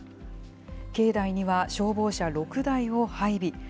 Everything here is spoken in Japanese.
境内には消防車６台を配備。